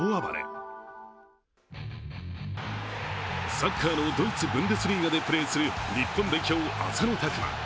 サッカーのドイツ・ブンデスリーガでプレーする日本代表・浅野拓磨。